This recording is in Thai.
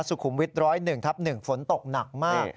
สุขุมวิท๑๐๑ทับ๑ฝนตกหนักมาก